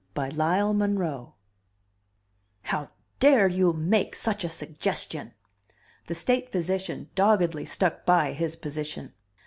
by LYLE MONROE "How dare you make such a suggestion!" The state physician doggedly stuck by his position.